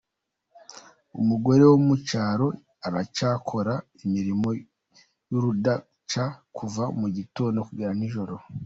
Umugore wo mu cyaro aracyakora imirimo y’urudaca kuva mu gitondo kugera nijoro.